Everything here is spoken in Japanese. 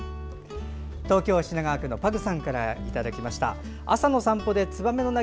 東京・品川区のパグさんからいただきました。